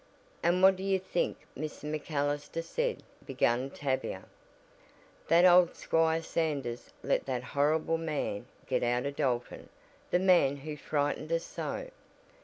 "And what do you think Mr. MacAllister said?" began Tavia. "That old Squire Sanders let that horrible man get out of Dalton the man who frightened us so!"